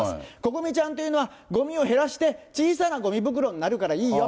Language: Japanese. こごみちゃんというのは、ごみを減らして小さなごみ袋になるからいいよ。